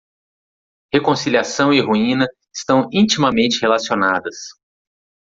Reconciliação e ruína estão intimamente relacionadas.